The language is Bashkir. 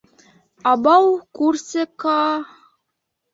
Абау, күрсе, Каа!